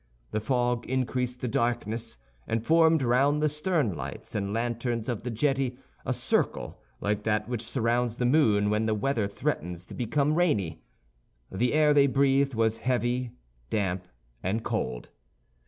The fog increased the darkness, and formed round the sternlights and lanterns of the jetty a circle like that which surrounds the moon when the weather threatens to become rainy. The air they breathed was heavy, damp, and cold.